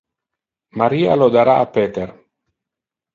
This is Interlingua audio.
Maria lo dara a Peter.